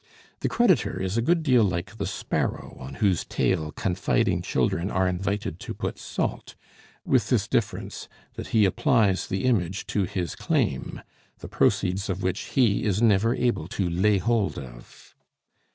The creditor is a good deal like the sparrow on whose tail confiding children are invited to put salt, with this difference, that he applies the image to his claim, the proceeds of which he is never able to lay hold of.